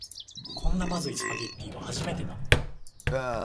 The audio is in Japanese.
こんなまずいスパゲティは初めてだ